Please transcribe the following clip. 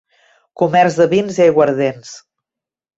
Comerç de vins i aiguardents.